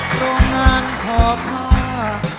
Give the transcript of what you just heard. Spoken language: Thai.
ตัวงานขอพา